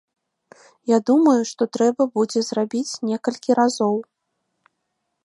Я думаю, што трэба будзе зрабіць некалькі разоў.